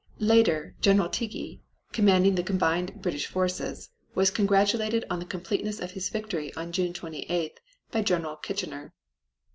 Later General Tighe, commanding the combined British forces, was congratulated on the completeness of his victory on June 28th, by General Kitchener.